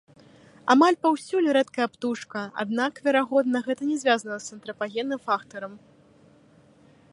Амаль паўсюль рэдкая птушка, аднак, верагодна, гэта не звязана з антрапагенным фактарам.